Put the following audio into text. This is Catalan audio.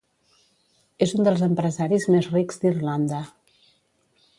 És un dels empresaris més rics d'Irlanda.